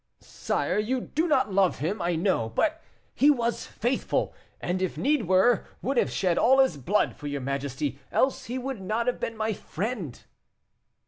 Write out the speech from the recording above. "Sire, you do not love him, I know; but he was faithful, and, if need were, would have shed all his blood for your majesty, else he would not have been my friend."